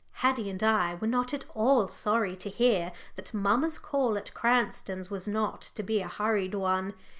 Haddie and I were not at all sorry to hear that mamma's call at Cranston's was not to be a hurried one.